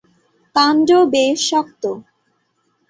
কাণ্ড বেশ শক্ত।